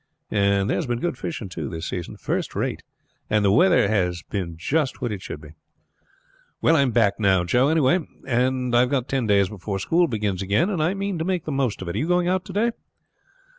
And there's been good fishing, too, this season, first rate; and the weather has been just what it should be." "Well, I am back now, Joe, anyhow; and I have got ten days before school begins again, and I mean to make the most of it. Are you going out to day?"